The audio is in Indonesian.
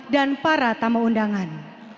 dan para tama undangan